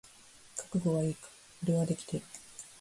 覚悟はいいか？俺はできてる。